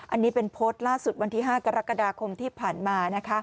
อันนี้เป็นโพสต์ล่าสุดวันที่๕กรกฎาคมที่ผ่านมา